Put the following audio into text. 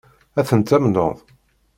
Ad ten-tamneḍ?